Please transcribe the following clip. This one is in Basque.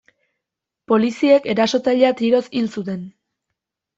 Poliziek erasotzailea tiroz hil zuten.